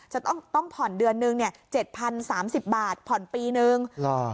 จะต้องผ่อนเดือนหนึ่ง๗๐๓๐บาทผ่อนปีหนึ่ง